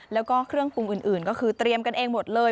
แล้วก็เครื่องปรุงอื่นก็คือเตรียมกันเองหมดเลย